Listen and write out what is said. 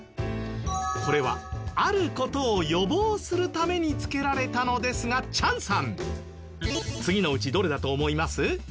これはある事を予防するためにつけられたのですがチャンさん次のうちどれだと思います？